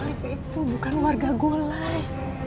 alif itu bukan warga gulai